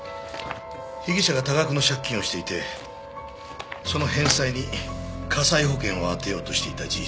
被疑者が多額の借金をしていてその返済に火災保険を充てようとしていた事実。